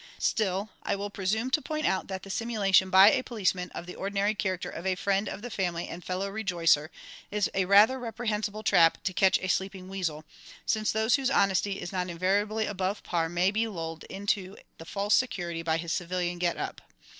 Still, I will presume to point out that the simulation by a policeman of the ordinary character of a friend of the family and fellow rejoicer, is a rather reprehensible trap to catch a sleeping weasel, since those whose honesty is not invariably above par may be lulled into the false security by his civilian get up.